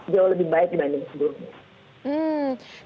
jauh lebih baik dibanding sebelumnya